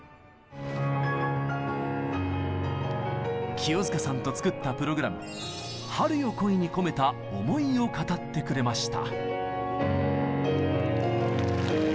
清塚さんと作ったプログラム「春よ、来い」に込めた思いを語ってくれました。